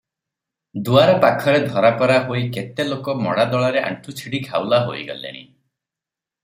ଦୁଆର ପାଖରେ ଧରାପରା ହୋଇ କେତେ ଲୋକ ମଡ଼ା ଦଳାରେ ଆଣ୍ଠୁ ଛିଡି ଘାଉଲା ହୋଇଗଲେଣି ।